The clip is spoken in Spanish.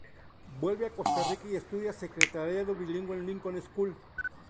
Vuelve a Costa Rica y estudia secretariado bilingüe en Lincoln School.